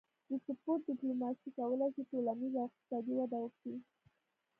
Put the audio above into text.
د سپورت ډیپلوماسي کولی شي ټولنیز او اقتصادي وده وکړي